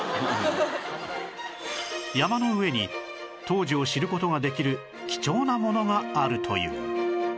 山の上に当時を知る事ができる貴重なものがあるという